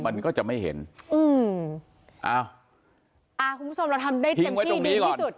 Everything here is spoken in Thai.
คุณผู้ชมเราทำได้เต็มที่ดีที่สุด